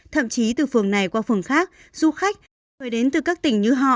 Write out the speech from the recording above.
thậm chí từ phường này qua phường khác du khách người đến từ các tỉnh như họ phải